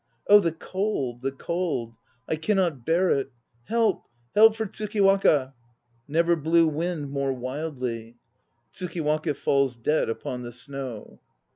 "Oh the cold, the cold ! I cannot bear it. Help, help for Tsukiwaka!" Never blew wind more wildly ! (TSUKIWAKA falls dead upon the snow.)